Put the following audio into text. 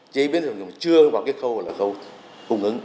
chế biến và trồng rừng chưa vào cái khâu là khâu cung ứng